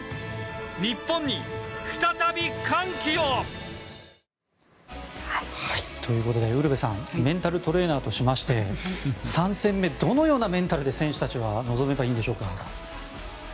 日本に再び歓喜を！ということでウルヴェさんメンタルトレーナーとしまして３戦目、どのようなメンタルで選手たちは臨めばいいでしょう？